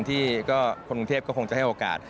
ที่คนกรุงเทพก็คงจะให้โอกาส